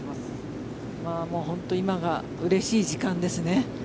本当に今がうれしい時間ですね。